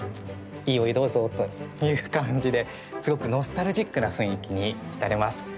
いいお湯どうぞーという感じですごくノスタルジックな雰囲気に浸れます。